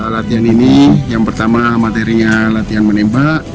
latihan ini yang pertama materinya latihan menembak